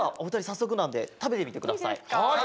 さっそくなんで食べてみてください。